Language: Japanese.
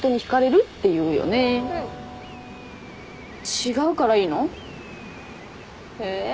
違うからいいの？え！